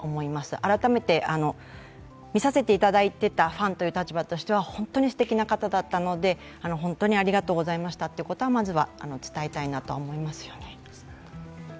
改めて、見させていただいてたファンとしては本当にすてきな方だったので、本当にありがというございましたということはまずは伝えたいなと思います。